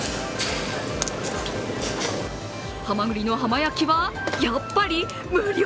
ハマグリの浜焼きはやっぱり無料。